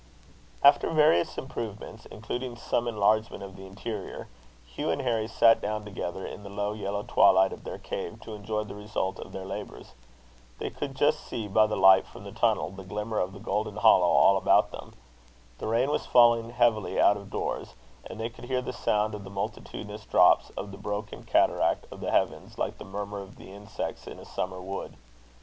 After various improvements, including some enlargement of the interior, Hugh and Harry sat down together in the low yellow twilight of their cave, to enjoy the result of their labours. They could just see, by the light from the tunnel, the glimmer of the golden hollow all about them. The rain was falling heavily out of doors; and they could hear the sound of the multitudinous drops of the broken cataract of the heavens like the murmur of the insects in a summer wood.